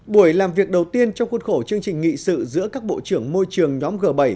buổi làm việc đầu tiên trong khuôn khổ chương trình nghị sự giữa các bộ trưởng môi trường nhóm g bảy